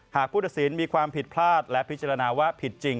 ผู้ตัดสินมีความผิดพลาดและพิจารณาว่าผิดจริง